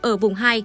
ở vùng hai